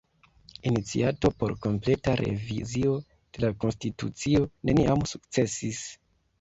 Iniciato por kompleta revizio de la konstitucio neniam sukcesis.